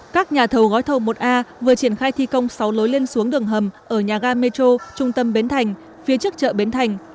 các nhà thầu gói thầu một a vừa triển khai thi công sáu lối lên xuống đường hầm ở nhà ga metro trung tâm bến thành phía trước chợ bến thành